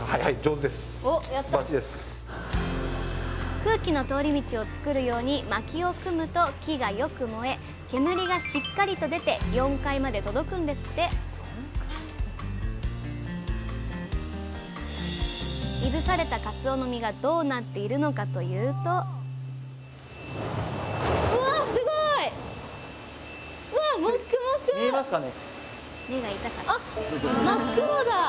空気の通り道を作るようにまきを組むと木がよく燃え煙がしっかりと出て４階まで届くんですっていぶされたかつおの身がどうなっているのかというと見えますかね？